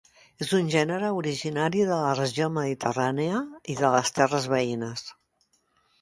És un gènere originari de la regió mediterrània i de les terres veïnes.